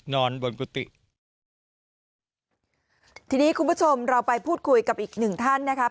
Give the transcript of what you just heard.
นอนบนกุฏิทีนี้คุณผู้ชมเราไปพูดคุยกับอีกหนึ่งท่านนะครับ